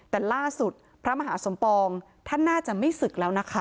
แต่ล่าสุดพระมหาสมปองท่านน่าจะไม่ศึกแล้วนะคะ